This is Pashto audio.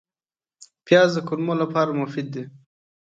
پیاز د کولمو لپاره مفید دی